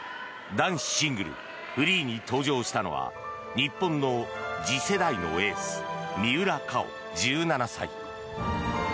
男子シングルフリーに登場したのは日本の次世代のエース三浦佳生、１７歳。